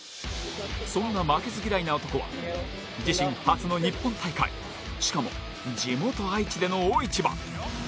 そんな負けず嫌いな男は自身初の日本大会しかも、地元・愛知での大一番。